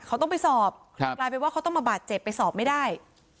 เขาต้องไปสอบกลายเป็นว่าเขาต้องมาบาดเจ็บไปสอบไม่ได้